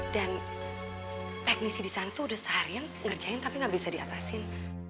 dan teknisi di sana tuh udah seharian ngerjain tapi gak bisa diatasin